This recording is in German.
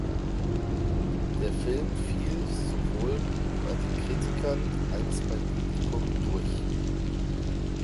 Der Film fiel sowohl bei den Kritikern als beim Publikum durch.